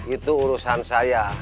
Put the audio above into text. itu urusan saya